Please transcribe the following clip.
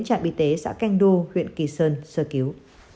trạm bị tế xã keng du huyện kỳ sơn sơ cứu